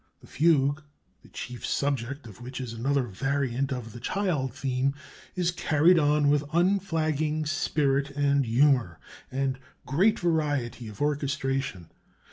The Fugue (the chief subject of which is another variant of the child theme) is carried on with unflagging spirit and humor and great variety of orchestration....